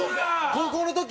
高校の時？